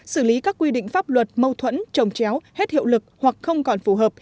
xử lý các quy định pháp luật mâu thuẫn trồng chéo hết hiệu lực hoặc không còn phù hợp